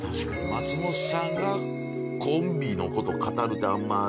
松本さんがコンビのこと語るってあんま。